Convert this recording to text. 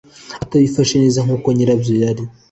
atabifashe neza nk uko nyirabyo yari